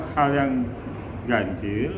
hal yang ganjil